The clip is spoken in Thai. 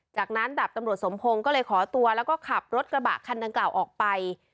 จากนั้นดาบตำรวจสมพงศ์ก็เลยขอตัวแล้วก็ขับรถกระบะคันดังกล่าวออกไป